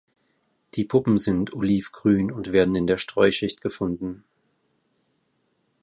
Die Puppen sind olivgrün und werden in der Streuschicht gefunden.